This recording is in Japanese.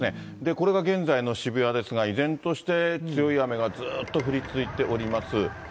これが現在の渋谷ですが、依然として、強い雨がずっと降り続いております。